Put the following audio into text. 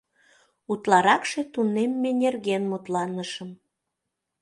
Утларакше тунемме нерген мутланышым.